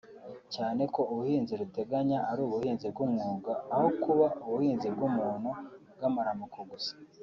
cyane ko ubuhinzi ruteganya “ari ubuhinzi bw’umwuga aho kuba ubuhinzi bw’umuntu bw’amaramuko gusa”